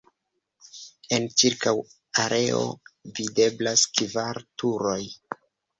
En ĉirkaŭa areo videblas kvar turoj.